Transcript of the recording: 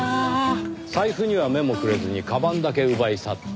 財布には目もくれずにかばんだけ奪い去った。